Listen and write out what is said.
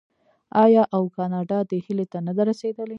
آیا او کاناډا دې هیلې ته نه ده رسیدلې؟